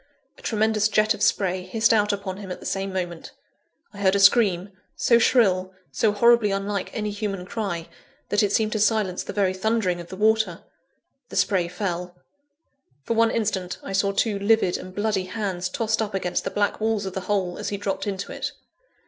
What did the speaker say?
A tremendous jet of spray hissed out upon him at the same moment. I heard a scream, so shrill, so horribly unlike any human cry, that it seemed to silence the very thundering of the water. The spray fell. For one instant, I saw two livid and bloody hands tossed up against the black walls of the hole, as he dropped into it.